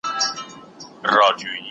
ګډ کار پایله ورکوي.